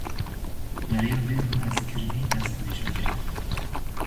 Beriya vê bi hezkirinê destmêj bigire.